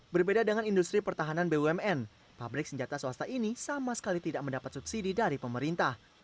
berbeda dengan industri pertahanan bumn pabrik senjata swasta ini sama sekali tidak mendapat subsidi dari pemerintah